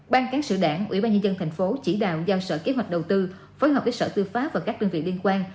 ban cáng sử đảng ủy ban nhân dân tp hcm chỉ đào giao sở kế hoạch đầu tư phối hợp với sở tư pháp và các đơn vị liên quan